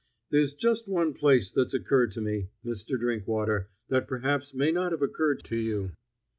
"There's just one place that's occurred to me, Mr. Drinkwater, that perhaps may not have occurred to you."